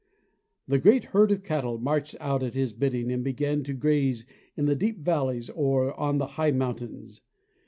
That great herd of cattle marched out at his bidding and began to graze in the deep valleys or on the high mountains.